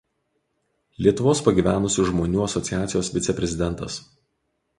Lietuvos pagyvenusių žmonių asociacijos viceprezidentas.